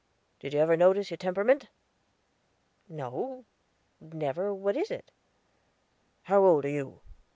Did you ever notice your temperament?" "No, never; what is it?" "How old are you?"